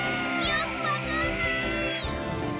よくわかんない！